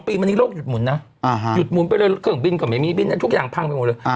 ปีมานี้โลกหยุดหมุนนะหยุดหมุนไปเลยเครื่องบินก็ไม่มีบินทุกอย่างพังไปหมดเลย